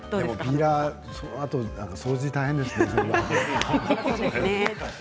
ピーラーそのあとの掃除が大変ですね。